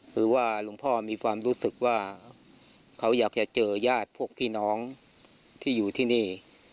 คือว่าหลวงพ่อมีความรู้สึกว่าเขาอยากจะเจอญาติพวกพี่น้องที่อยู่ที่นี่